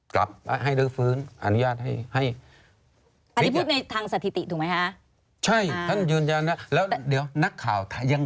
กลับให้เรียกฟื้น